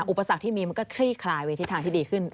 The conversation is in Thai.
อุปสรรคที่มีมันก็คลี่คลายไปทิศทางที่ดีขึ้น